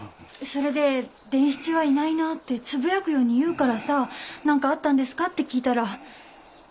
それで「伝七はいないな」ってつぶやくように言うからさ「何かあったんですか？」って聞いたら。